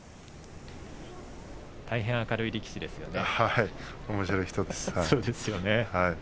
大変、明るい力士ですよね。